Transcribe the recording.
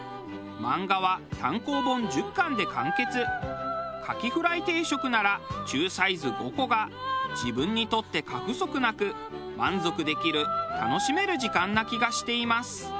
漫画は単行本１０巻で完結カキフライ定食なら中サイズ５個が自分にとって過不足なく満足できる楽しめる時間な気がしています。